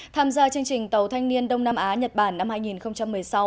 tham gia chương trình tàu thanh niên đông nam á nhật bản năm hai nghìn một mươi sáu